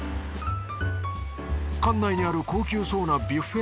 館内にある高級そうなビュッフェ